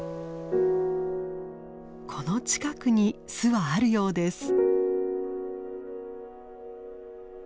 この近くに巣はあるようです。